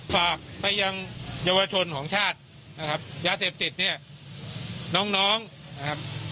ฝากไปยังเยาวชนของชาตินะครับยาเสพติดเนี่ยน้องน้องนะครับ